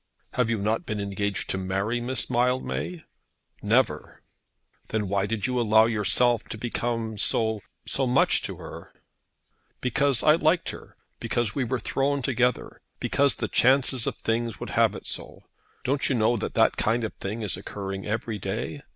"Have you not been engaged to marry Miss Mildmay?" "Never." "Then why did you allow yourself to become so so much to her?" "Because I liked her. Because we were thrown together. Because the chances of things would have it so. Don't you know that that kind of thing is occurring every day?